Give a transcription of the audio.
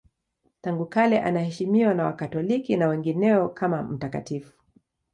Tangu kale anaheshimiwa na Wakatoliki na wengineo kama mtakatifu.